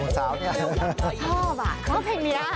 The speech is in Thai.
ชอบอ่ะเขาเพลงเยอะ